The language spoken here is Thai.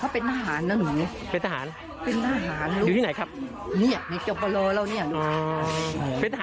อ๋อเป็นอาหารเกณฑ์